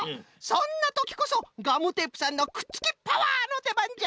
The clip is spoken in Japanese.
そんなときこそガムテープさんのくっつきパワーのでばんじゃ。